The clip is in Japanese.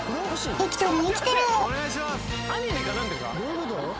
生きてる！